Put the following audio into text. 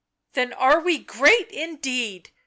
" Then are we great indeed